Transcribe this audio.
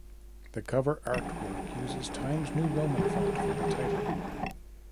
The cover artwork uses Times New Roman font for the title.